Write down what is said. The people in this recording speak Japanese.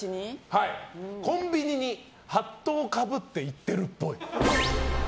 コンビニにハットをかぶって行ってるっぽい。